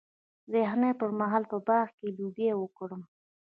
د یخنۍ پر مهال په باغ کې لوګی وکړم؟